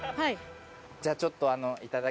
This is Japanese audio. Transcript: じゃあちょっと。